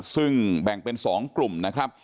ซึ่งแบ่งเป็น๒กลุ่มนะครับ